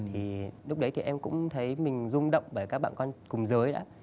thì lúc đấy thì em cũng thấy mình rung động bởi các bạn con cùng giới đã